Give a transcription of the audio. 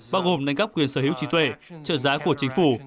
bao gồm đánh cắp quyền sở hữu trí tuệ trợ giá của chính phủ